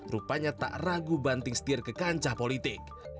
rupanya tak ragu banting setir ke kancah politik